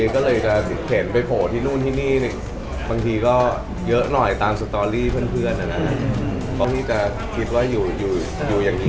ใครชวนไปไหนบางทีถ้าเพื่อนสนิทอย่างเงี้ย